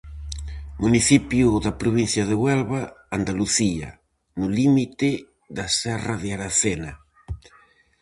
Municipio da provincia de Huelva, Andalucía, no límite da serra de Aracena.